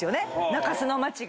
中洲の街が。